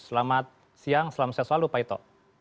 selamat siang selamat siang selalu pak ito